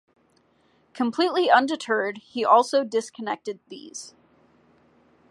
Completely undeterred he also disconnected these.